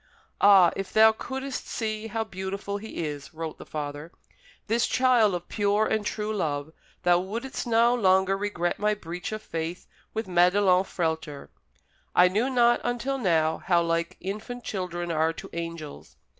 "Ah, if thou couldst see how beautiful he is," wrote the father, "this child of pure and true love, thou wouldst no longer regret my breach of faith with Madelon Frehlter. I knew not until now how like infant children are to angels.